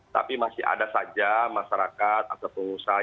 tapi masih ada saja masyarakat atau pengusaha